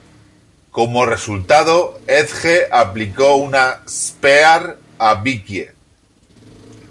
Como resultado, Edge aplicó una "Spear" a Vickie.